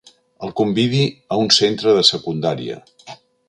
El convidi a un centre de secundària.